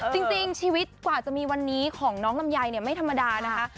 จริงชีวิตกว่าจะมีวันนี้ของน้องลำไยเนี่ยไม่ธรรมดานะคะ